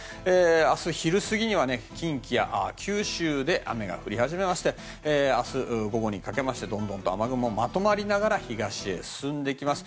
明日昼過ぎには近畿や九州で雨が降り始めまして明日午後にかけましてどんどんと雨雲、まとまりながら東へ進んできます。